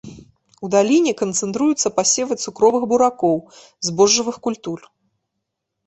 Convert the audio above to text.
У даліне канцэнтруюцца пасевы цукровых буракоў, збожжавых культур.